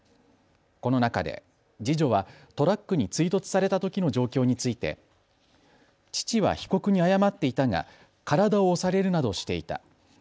この中で次女はトラックに追突されたときの状況について父は被告に謝っていたが体を押されるなどしていた。